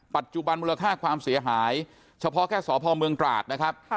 ปัจจุบันมูลค่าความเสียหายเฉพาะแค่สพเมืองตราดนะครับ